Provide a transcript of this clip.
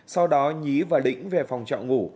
sau đó nhí và lĩnh về phòng trọ ngủ